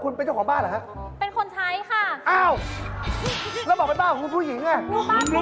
คุณผู้หญิงจะมาซื้อของอะไร